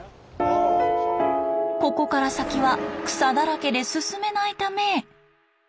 ここから先は草だらけで進めないため。